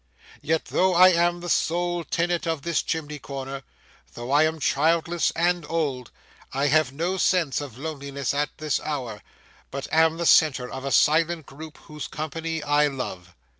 Yet though I am the sole tenant of this chimney corner, though I am childless and old, I have no sense of loneliness at this hour; but am the centre of a silent group whose company I love.